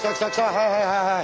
はいはいはいはい！